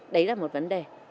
đấy là một vấn đề